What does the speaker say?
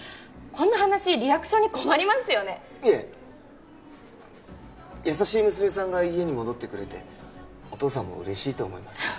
こんな話リアクションに困りますよねいえ優しい娘さんが家に戻ってくれてお父さんも嬉しいと思いますよ